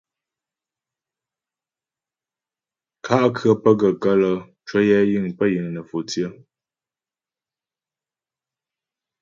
Kà' khə̌ pə́ gaə́ kələ ncwəyɛ yiŋ pə́ yiŋ nə̌fò tsyə.